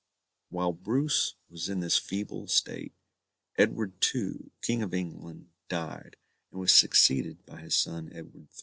While Bruce was in this feeble state, Edward II, King of England, died, and was succeeded by his son Edward III.